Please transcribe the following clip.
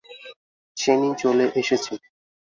চেনি চলে এসেছে।